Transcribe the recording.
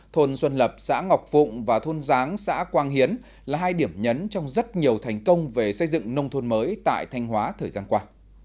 thôn xuân lập xã ngọc phụng và thôn giáng xã quang hiến là hai điểm nhấn trong rất nhiều thành công về xây dựng nông thôn mới tại thanh hóa thời gian qua